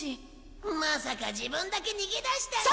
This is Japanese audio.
まさか自分だけ逃げ出したんじゃ。